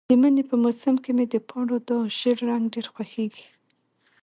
د مني په موسم کې مې د پاڼو دا ژېړ رنګ ډېر خوښیږي.